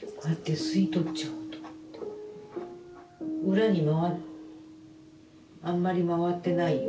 裏にはあんまりまわってないよ